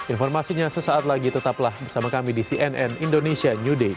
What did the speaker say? informasinya sesaat lagi tetaplah bersama kami di cnn indonesia new day